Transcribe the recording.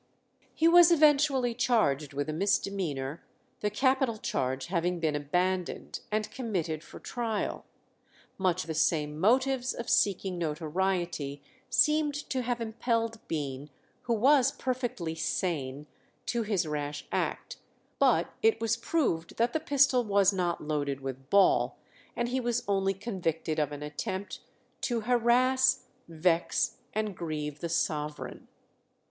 He was eventually charged with a misdemeanour, the capital charge having been abandoned, and committed for trial. Much the same motives of seeking notoriety seem to have impelled Bean, who was perfectly sane, to his rash act; but it was proved that the pistol was not loaded with ball, and he was only convicted of an attempt "to harass, vex, and grieve the sovereign."